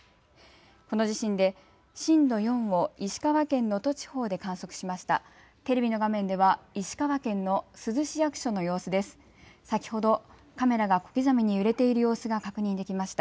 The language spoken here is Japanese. この地震で震度４を石川県能登地方で観測しました。